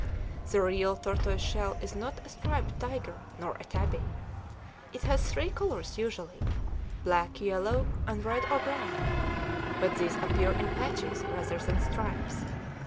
The real tortoise shell is not a striped tiger nor a tabby. It has three colors usually, black, yellow, and red or brown; but these appear in patches rather than stripes.